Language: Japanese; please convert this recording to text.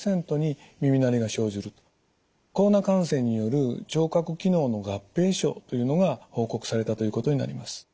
コロナ感染による聴覚機能の合併症というのが報告されたということになります。